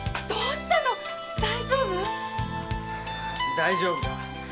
大丈夫だ。